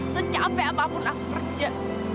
secapek apapun aku kerja